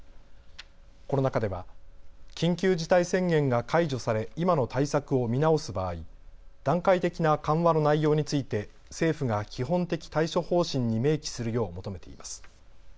この中では緊急事態宣言が解除され今の対策を見直す場合、段階的な緩和の内容について政府が基本的対処方針に明記するよう求めています。